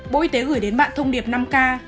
bộ y tế gửi đến bạn thông điệp năm k